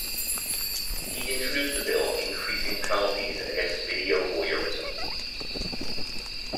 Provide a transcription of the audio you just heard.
He introduced a bill increasing penalties against video voyeurism.